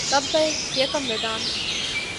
ލައްބައެވެ! ތިޔަކަން ވެދާނެ